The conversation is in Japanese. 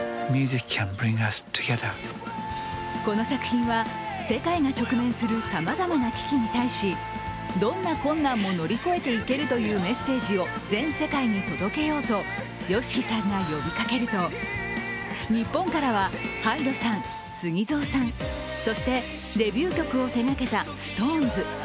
この作品は、世界が直面するさまざまな危機に対しどんな困難も乗り越えていけるというメッセージを全世界に届けようとＹＯＳＨＩＫＩさんが呼びかけると日本からはＨＹＤＥさん、ＳＵＧＩＺＯさん、そしてデビュー曲を手がけたＳｉｘＴＯＮＥＳ